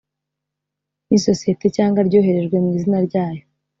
n isosiyete cyangwa ryoherejwe mu izina ryayo